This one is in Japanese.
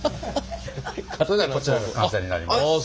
それではこちらが完成になります。